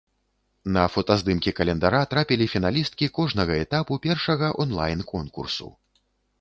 На фотаздымкі календара трапілі фіналісткі кожнага этапу першага онлайн-конкурсу.